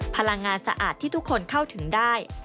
พลังงานสะอาดที่ทุกคนเข้าถึงได้